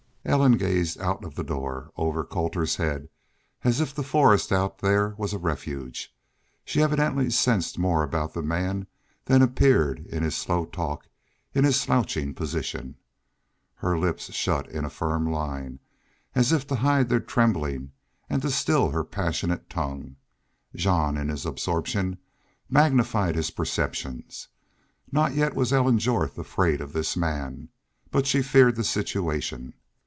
Ellen gazed out of the door, over Colter's head, as if the forest out there was a refuge. She evidently sensed more about the man than appeared in his slow talk, in his slouching position. Her lips shut in a firm line, as if to hide their trembling and to still her passionate tongue. Jean, in his absorption, magnified his perceptions. Not yet was Ellen Jorth afraid of this man, but she feared the situation.